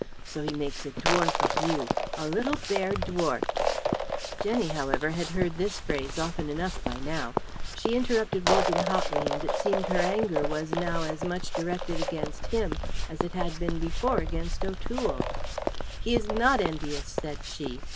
So he makes a dwarf of you, a little bear dwarf " Jenny, however, had heard this phrase often enough by now. She interrupted Wogan hotly, and it seemed her anger was now as much directed against him as it had been before against O'Toole. "He is not envious," said she.